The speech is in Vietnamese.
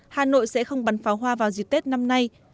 hà nội sẽ không bắn pháo hoa vào dịp tết năm nay